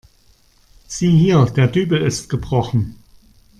Sieh hier, der Dübel ist gebrochen.